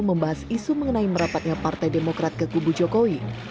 membahas isu mengenai merapatnya partai demokrat ke kubu jokowi